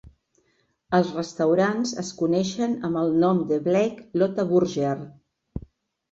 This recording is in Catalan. Els restaurants es coneixen amb el nom de Blake's Lotaburger.